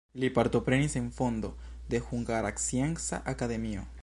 Li partoprenis en fondo de Hungara Scienca Akademio.